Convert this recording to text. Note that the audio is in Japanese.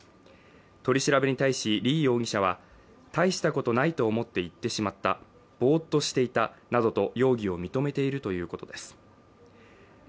取り調べに対しリ容疑者は大したことないと思って行ってしまったぼーっとしていたなどと容疑を認めているということですリ